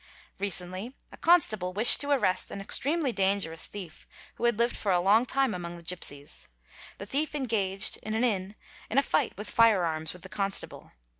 Recently a constable wished to arrest an extremely danger ous thief who had lived for a long time among the gipsies. The thief engaged, in an inn, in a fight with fire arms with the constable.